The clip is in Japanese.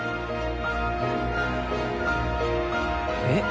えっ？